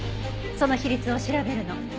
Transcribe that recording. その比率を調べるの。